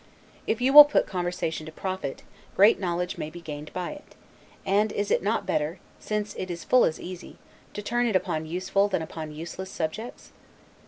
If you will put conversation to profit, great knowledge may be gained by it; and is it not better (since it is full as easy) to turn it upon useful than upon useless subjects?